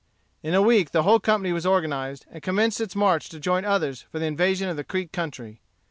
In a week the whole company was organized, and commenced its march to join others for the invasion of the Creek country.